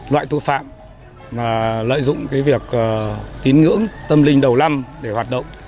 loại tội phạm và lợi dụng cái việc tín ngưỡng tâm linh đầu lăm để hoạt động